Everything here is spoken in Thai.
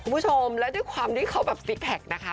คุณผู้ชมและด้วยความดี้เค้าซิกพักนะคะ